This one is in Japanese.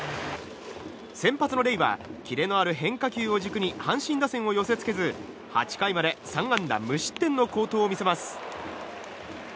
先発のレイはキレのある変化球を軸に阪神打線を寄せ付けず８回まで３安打無失点の好投を見せます。